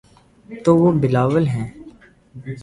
تو وہ بلاول ہیں۔